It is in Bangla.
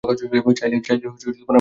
চাইলে আমরাও পারতাম।